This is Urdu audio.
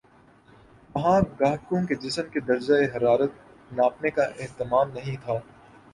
وہاں گاہکوں کے جسم کے درجہ حرارت ناپنے کا اہتمام نہیں تھا